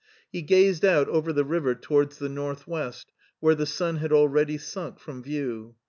He gazed out over the river towards the north west, where the sun had already sunk from view.